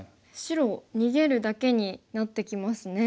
白逃げるだけになってきますね。